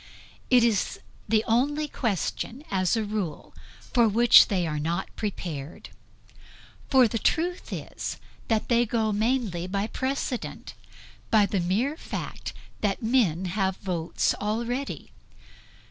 It is the only question, as a rule, for which they are not prepared. For the truth is that they go mainly by precedent; by the mere fact that men have votes already.